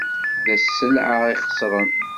D sselɛa ixesren.